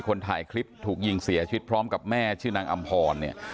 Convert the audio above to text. คนถ่ายคลิปถูกยิงเสียชีวิตพร้อมกับแม่ชื่อนางอำพรเนี่ย